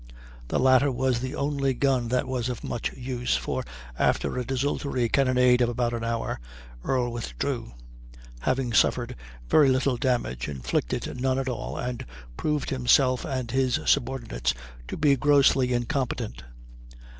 The latter was the only gun that was of much use, for after a desultory cannonade of about an hour, Earle withdrew, having suffered very little damage, inflicted none at all, and proved himself and his subordinates to be grossly incompetent.